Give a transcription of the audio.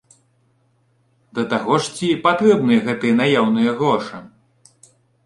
Да таго ж ці патрэбны гэтыя наяўныя гроша?